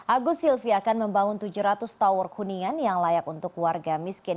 agus silvi akan membangun tujuh ratus tower kuningan yang layak untuk warga miskin